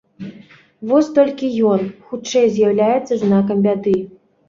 Вось толькі ён, хутчэй, з'яўляецца знакам бяды.